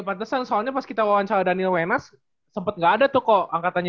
pantesan soalnya pas kita wawancara daniel wenas sempet gak ada tuh kok angkatannya